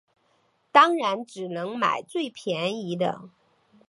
当然只能买最便宜的